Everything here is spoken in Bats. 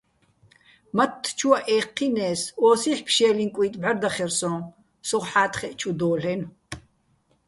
მათთ ჩუაჸ ე́ჴჴინეს, ოსი́ჰ̦ ფშე́ლიჼ კუჲტი̆ ბღარდახერსოჼ სოხ ჰ̦ა́თხეჸ ჩუ დო́ლ'ენო̆.